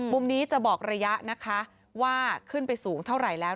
มุมนี้จะบอกระยะนะคะว่าขึ้นไปสูงเท่าไหร่แล้ว